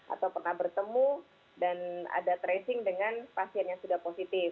atau pernah bertemu dan ada tracing dengan pasien yang sudah positif